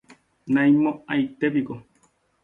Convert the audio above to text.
naimo'aietépiko.